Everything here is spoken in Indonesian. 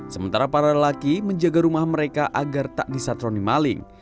sementara para lelaki menjaga rumah mereka agar tak disatroni maling